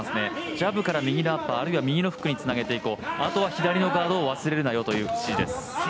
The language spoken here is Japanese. ジャブから右のアッパー、あるいは右のフックにつなげていこうあとは左のガードを忘れるなよという指示です。